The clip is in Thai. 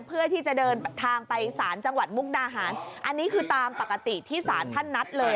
เพื่อที่จะเดินทางไปสารจังหวัดมุกดาหารอันนี้คือตามปกติที่ศาลท่านนัดเลย